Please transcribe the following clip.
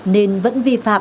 nên vẫn vi phạm